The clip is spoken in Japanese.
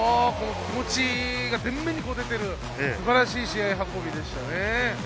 気持ちが前面に出ている素晴らしい試合運びでしたね。